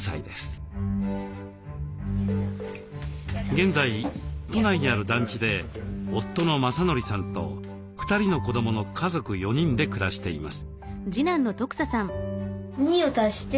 現在都内にある団地で夫の正憲さんと２人の子どもの家族４人で暮らしています。